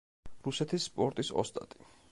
რუსეთის სპორტის ოსტატი.